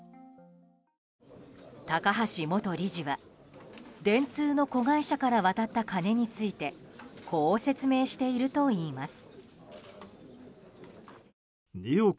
高橋元理事は電通の子会社から渡った金についてこう説明しているといいます。